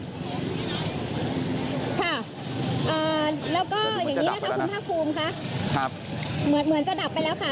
ค่ะแล้วก็อย่างนี้นะคะคุณท่าคลุมค่ะเหมือนจะดับไปแล้วค่ะ